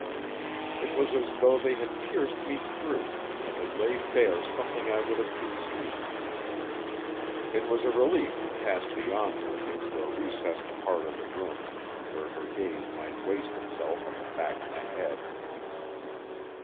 It was as though they had pierced me through, and had laid bare something I would have concealed. It was a relief to pass beyond her into a recessed part of the room where her gaze might waste itself on the back of my head.